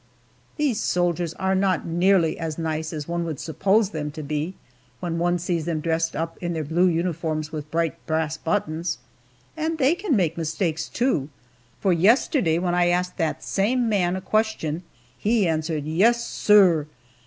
These soldiers are not nearly as nice as one would suppose them to be, when one sees them dressed up in their blue uniforms with bright brass buttons. And they can make mistakes, too, for yesterday, when I asked that same man a question, he answered, "Yes, sorr!"